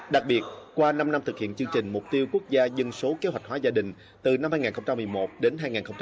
đặc biệt qua năm năm thực hiện chương trình mục tiêu quốc gia dân số kế hoạch hóa gia đình từ năm hai nghìn một mươi một đến hai nghìn hai mươi